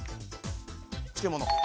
漬物。